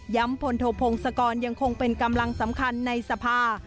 พลโทพงศกรยังคงเป็นกำลังสำคัญในสภา